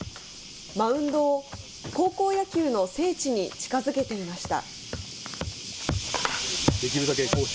マウンドを高校野球の聖地に近づけていました。